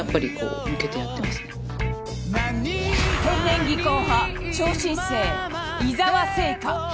天然技巧派・超新星伊澤星花。